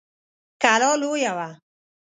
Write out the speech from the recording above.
کلا لويه وه.